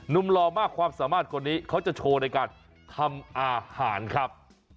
หล่อมากความสามารถคนนี้เขาจะโชว์ในการทำอาหารครับ